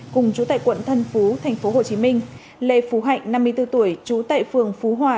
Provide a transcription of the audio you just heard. cùng chú tại quận thân phú thành phố hồ chí minh lê phú hạnh năm mươi bốn tuổi chú tại phường phú hòa